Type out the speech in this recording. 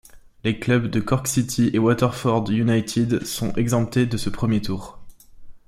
Les clubs de Cork City et Waterford United sont exemptés de ce premier tour.